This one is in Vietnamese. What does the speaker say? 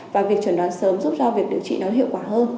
và việc chuẩn đoán sớm giúp cho việc điều trị nó hiệu quả hơn